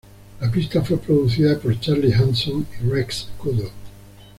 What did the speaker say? La pista fue producida por Charlie Handsome y Rex Kudo.